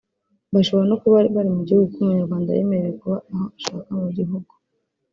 bashobora no kuba bari mu gihugu kuko Umunyarwanda yemerewe kuba aho ashaka mu gihugu